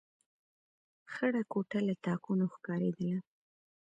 خړه کوټه له تاکونو ښکارېدله.